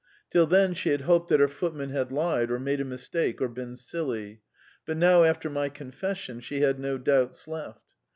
Till then she had hoped that her footman had lied or made a mistake or been silly, but now after my confession she had no doubts left.